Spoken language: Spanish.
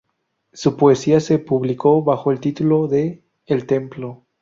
Su poesía se publicó bajo el título de "El templo".